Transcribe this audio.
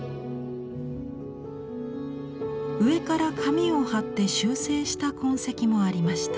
上から紙を貼って修正した痕跡もありました。